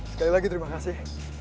sekali lagi terima kasih